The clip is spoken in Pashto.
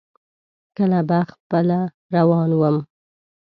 کله به خپله روان ووم.